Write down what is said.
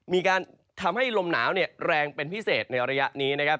มีการทำให้ลมหนาวแรงเป็นพิเศษในระยะนี้นะครับ